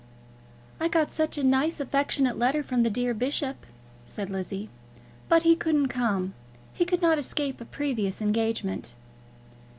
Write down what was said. "I got such a nice affectionate letter from the dear bishop," said Lizzie, "but he couldn't come. He could not escape a previous engagement."